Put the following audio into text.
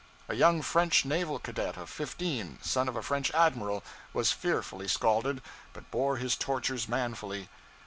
A young French naval cadet, of fifteen, son of a French admiral, was fearfully scalded, but bore his tortures manfully.